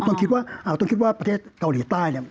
ต้องคิดว่าประเทศเกาหลีใต้